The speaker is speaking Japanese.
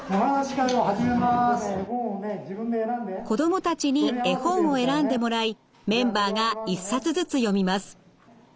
子どもたちに絵本を選んでもらいメンバーが１冊ずつ読みます。